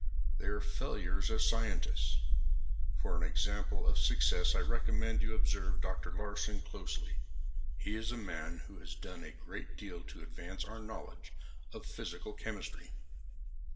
"They are the failures as scientists. For an example of success I recommend that you observe Dr. Larsen closely. He is a man who has done a great deal to advance our knowledge of physical chemistry."